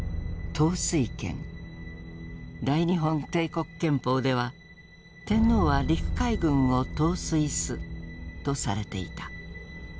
大日本帝国憲法では「天皇は陸海軍を統帥す」とされていた。